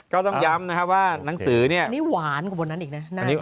ก็ต้องย้ำนะครับว่าหนังสือเนี่ยอันนี้หวานกว่าบนนั้นอีกนะ